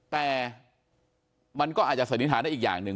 แต่มันก็อาจจะสนิทธาณะอีกอย่างหนึ่ง